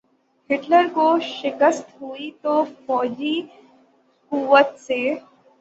Hitler کو شکست ہوئی تو فوجی قوت سے۔